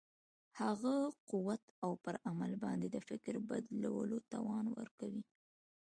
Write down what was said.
هغه قوت او پر عمل باندې د فکر بدلولو توان ورکوي.